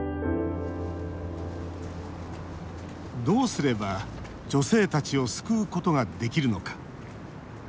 どうすれば女性たちを救うことができるのか。